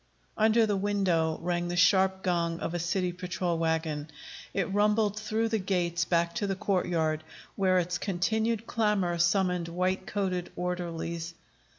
Under the window rang the sharp gong of a city patrol wagon. It rumbled through the gates back to the courtyard, where its continued clamor summoned white coated orderlies.